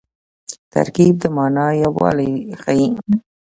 ترکیب د مانا یووالی ښيي.